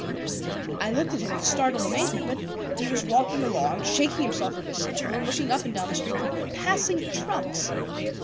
I looked at him in startled amazement, but he was walking along, shaking himself from his stumble, and looking up and down the street for passing trucks.